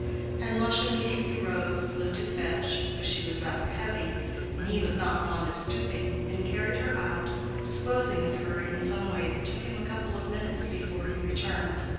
And Lush immediately rose, lifted Fetch, though she was rather heavy, and he was not fond of stooping, and carried her out, disposing of her in some way that took him a couple of minutes before he returned.